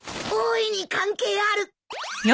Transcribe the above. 大いに関係ある。